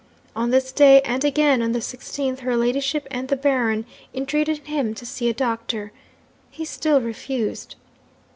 On this day, and again on the 16th, her ladyship and the Baron entreated him to see a doctor. He still refused.